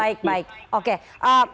baik baik oke